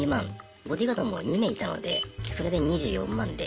ボディーガードも２名いたのでそれで２４万で。